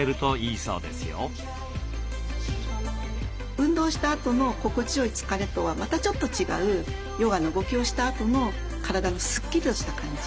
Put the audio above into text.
運動したあとの心地よい疲れとはまたちょっと違うヨガの動きをしたあとの体のスッキリとした感じ。